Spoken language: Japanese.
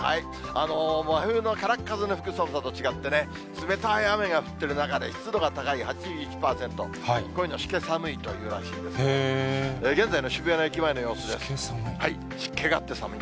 真冬のからっ風の吹く寒さと違ってね、冷たい雨が降ってる中で、湿度が高い、８１％、こういうのしけ寒いというらしいんですけど、しけ寒い。